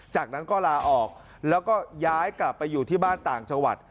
จากนั้นก็ลาออกแล้วก็ย้ายกลับไปอยู่ที่บ้านต่างจังหวัด